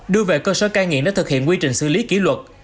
đưa về cơ sở cai nghiện để thực hiện quy trình xử lý kỷ luật